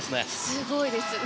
すごいです。